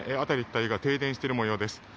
辺り一帯が停電しているもようです。